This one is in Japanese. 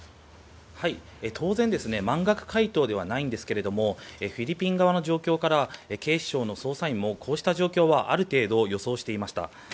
当然、満額回答ではないんですけどフィリピン側の状況から警視庁の捜査員もこうした状況はある程度、予想していました。